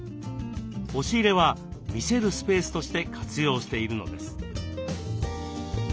押し入れは見せるスペースとして活用しているのです。